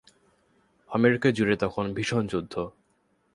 America জুড়ে তখন ভীষণ যুদ্ধ।